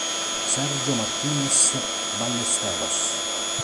Sergio Martínez Ballesteros